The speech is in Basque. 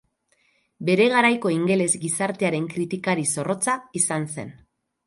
Bere garaiko ingeles gizartearen kritikari zorrotza izan zen.